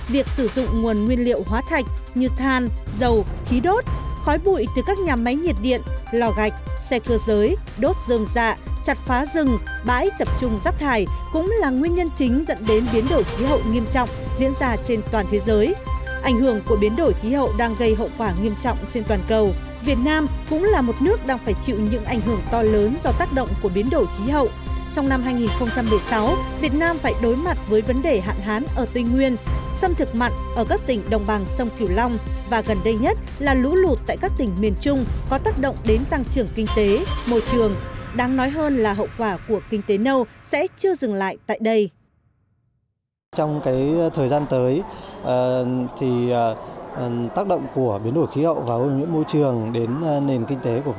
việc sử dụng nguồn nguyên liệu hóa thạch như than dầu khí đốt khói bụi từ các nhà máy nhiệt điện lò gạch xe cơ giới đốt rơm dạ chặt phá rừng bãi tập trung rác thải cũng là nguyên nhân chính dẫn đến biến đổi khí hậu nghiêm trọng diễn ra trên toàn thế giới